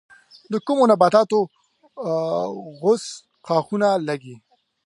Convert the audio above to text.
د کومو نباتاتو غوڅ ښاخونه لگي؟